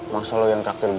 masalah lo yang karakter gila